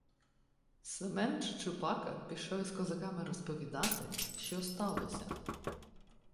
Семен Чучупака пішов із козаками розвідати, що сталося.